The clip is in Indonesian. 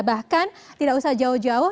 bahkan tidak usah jauh jauh